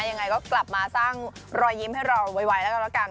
ยังไงก็กลับมาสร้างรอยยิ้มให้เราไวแล้วก็แล้วกัน